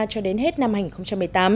cho đến hết năm hai nghìn một mươi tám